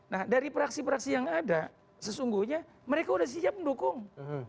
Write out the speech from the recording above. nah dari praksi praksi yang ada sesungguhnya mereka sudah siap mendukung